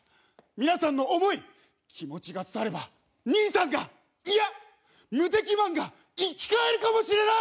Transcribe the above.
皆さんの思い気持ちが伝われば兄さんがいや無敵マンが生き返るかもしれない！